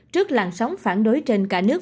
trước làn sóng phản đối trên cả nước